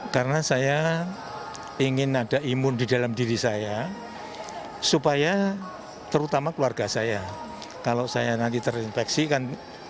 karena saya ingin ada imun di dalam diri saya supaya terutama keluarga saya kalau saya nanti terinfeksi kan